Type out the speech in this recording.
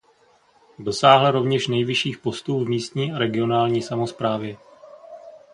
Dosáhl rovněž nejvyšších postů v místní a regionální samosprávě.